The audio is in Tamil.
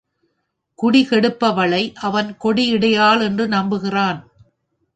குடிகெடுப்பவளை, அவன் கொடியிடையாள் என்று நம்புகிறான்.